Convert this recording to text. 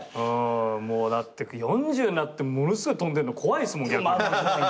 もうだって４０になってものすごい跳んでんの怖いっすもん逆に。